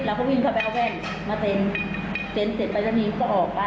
แล้วเขาวิ่งเข้าไปเอาแว่นมาเต็นเต็นเสร็จไปตอนนี้ก็ออกอ่ะ